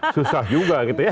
susah juga gitu ya